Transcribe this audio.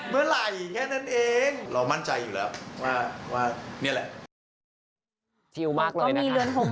เมื่อไรแค่นั้นเอง